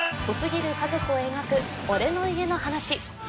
濃すぎる家族を描く「俺の家の話」